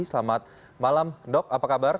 selamat malam dok apa kabar